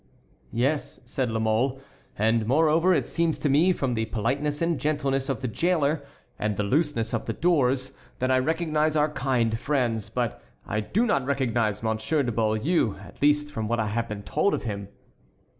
"Yes," said La Mole; "and moreover, it seems to me, from the politeness and gentleness of the jailer and the looseness of the doors, that I recognize our kind friends; but I do not recognize Monsieur de Beaulieu, at least from what I had been told of him."